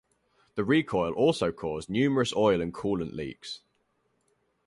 The recoil also caused numerous oil and coolant leaks.